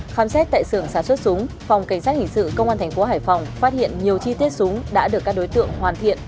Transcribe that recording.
phám xét tại sưởng sản xuất súng phòng cảnh sát hình sự công an tp hải phòng phát hiện nhiều chi tiết súng đã được các đối tượng hoàn thiện